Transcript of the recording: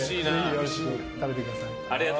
おいしく食べてください。